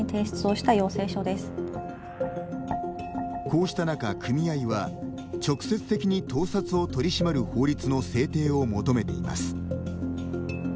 こうした中、組合は直接的に盗撮を取り締まる法律の制定を求めています。